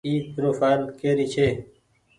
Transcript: اي پروڦآئل ڪري ڇي۔